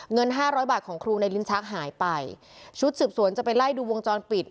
เงินห้าร้อยบาทของครูในลิ้นชักหายไปชุดสืบสวนจะไปไล่ดูวงจรปิด